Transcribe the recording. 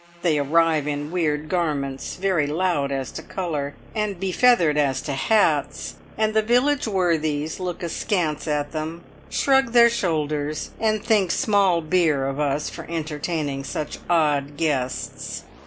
They arrive in weird garments, very loud as to colour, and befeathered as to hats, and the village worthies look askance at them, shrug their shoulders, and think small beer of us for entertaining such odd guests.